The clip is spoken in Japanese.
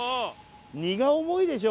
荷が重いでしょ